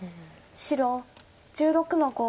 白１６の五。